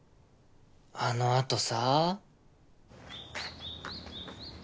あのあとさ。